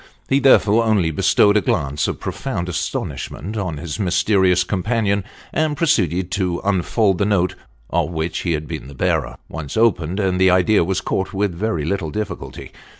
He therefore only bestowed a glance of pro found astonishment on his mysterious companion, and proceeded to unfold the note of which he had been the bearer. Once opened and the idea was caught with very little difficulty.